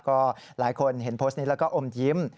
ก็หลายคนเห็นโพสต์นี้แล้วก็อมยิ้ม